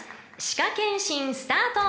［歯科検診スタート］